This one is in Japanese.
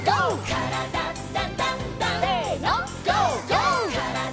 「からだダンダンダン」せの！